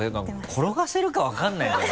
転がせるかわからないんだよ